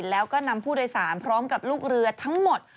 แล้วก็นำผู้โดยสารพร้อมกับลูกเรือทั้งหมด